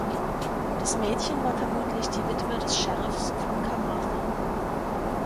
Das Mädchen war vermutlich die Witwe des Sheriffs von Carmarthen.